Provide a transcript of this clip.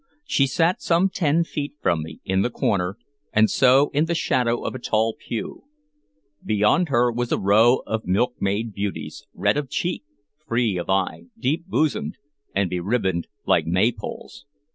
She sat some ten feet from me, in the corner, and so in the shadow of a tall pew. Beyond her was a row of milkmaid beauties, red of cheek, free of eye, deep bosomed, and beribboned like Maypoles.